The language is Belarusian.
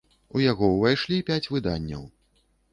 У яго ўвайшлі пяць выданняў.